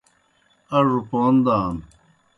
اڙوْ پون دانوْ۔